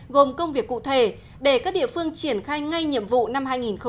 gồm công việc cụ thể để các địa phương triển khai ngay nhiệm vụ năm hai nghìn hai mươi